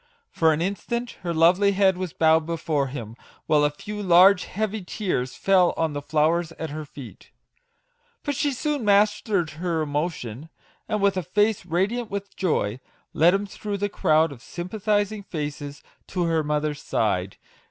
For an instant her lovely head was bowed before him, while a few large, heavy tears, fell on the flowers at her feet ! But she soon mas tered her emotion, and, with a face radiant with joy, led him through the crowd of sym pathising faces to her mother's side.